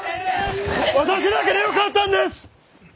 私だけでよかったんです！